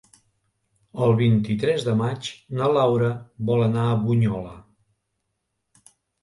El vint-i-tres de maig na Laura vol anar a Bunyola.